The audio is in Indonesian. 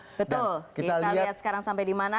betul kita lihat sekarang sampai di mana